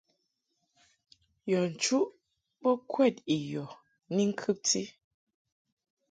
Yɔ nchuʼ bo kwɛd i yɔ ni ŋkɨbti.